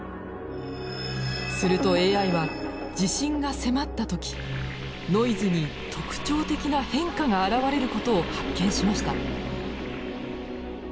するとＡＩは地震が迫った時ノイズに特徴的な変化が現れることを発見しました。